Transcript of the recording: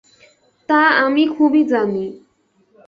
তা আমি খুবই জানি।